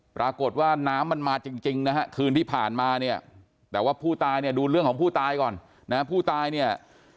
ปรากฏว่าน้ำมันมาจริงนะฮะคืนที่ผ่านมาเนี่ยแต่ว่าผู้ตายเนี่ยดูเรื่องของผู้ตายก่อนนะผู้ตายเนี่ย